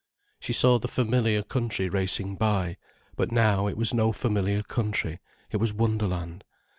She saw the familiar country racing by. But now, it was no familiar country, it was wonderland.